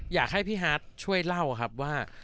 อยากให้พี่ฮาร์ดช่วยเล่าครับว่า